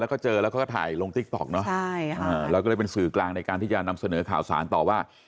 แล้วก็เจอแล้วเขาก็ถ่ายลงติ๊กต๊อกเนอะใช่ค่ะแล้วก็เลยเป็นสื่อกลางในการที่จะนำเสนอข่าวสารต่อว่า